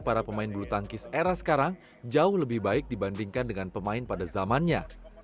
para pemain bulu tangkis era sekarang jauh lebih baik dibandingkan dengan pemain pada zamannya